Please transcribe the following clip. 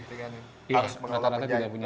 iya rata rata tidak punya